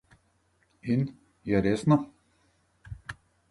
In, je resno?